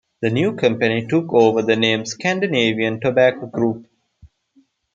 The new company took over the name Scandinavian Tobacco Group.